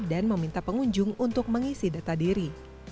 dan meminta pengunjung untuk mengisi data diri